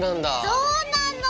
そうなの。